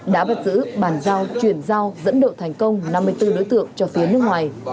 đã bắt giữ bàn giao chuyển giao dẫn độ thành công năm mươi bốn đối tượng cho phía nước ngoài